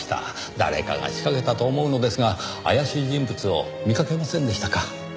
誰かが仕掛けたと思うのですが怪しい人物を見かけませんでしたか？